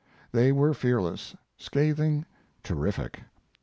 They were fearless, scathing, terrific.